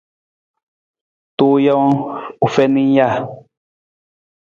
Tuu jawang u fiin ng ja.